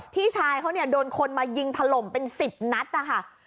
พี่ชายเขาเนี่ยโดนคนมายิงถล่มเป็น๑๐นัดนะคะ